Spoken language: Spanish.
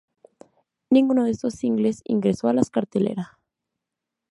Ninguno de estos singles ingresó a las cartelera.